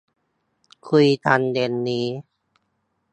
คุยกันเย็นนี้